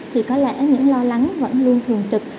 thì có lẽ những lo lắng vẫn luôn thường trực